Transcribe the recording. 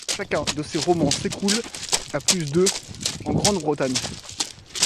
Chacun de ses romans s'écoule à plus de en Grande-Bretagne.